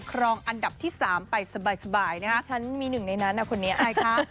ครองอันดับที่สามไปสบายสบายนะฮะฉันมีหนึ่งในนั้นอ่ะคนนี้ใช่ค่ะ